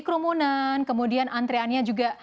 kerumunan kemudian antreannya juga